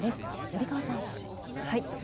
森川さん。